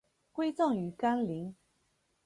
归葬于干陵。